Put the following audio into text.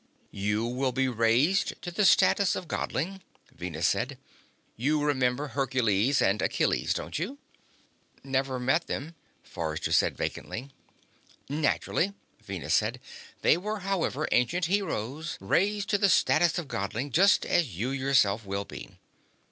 _" "You will be raised to the status of Godling," Venus said. "You remember Hercules and Achilles, don't you?" "Never met them," Forrester said vacantly. "Naturally," Venus said. "They were, however, ancient heroes, raised to the status of Godling, just as you yourself will be.